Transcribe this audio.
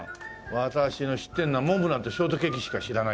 私の知ってんのはモンブランとショートケーキしか知らないから。